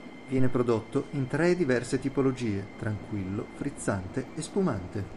Viene prodotto in tre diverse tipologie: tranquillo, frizzante e spumante.